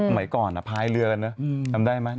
ใหม่ก่อนพายเรือกันนะจำได้ไหม